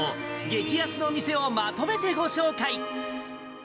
激安のお店をまとめてご紹介。